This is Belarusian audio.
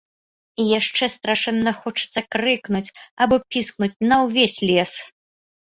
І яшчэ страшэнна хочацца крыкнуць або піскнуць на ўвесь лес.